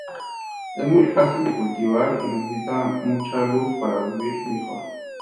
Es muy fácil de cultivar y necesita mucha luz para vivir, mejor.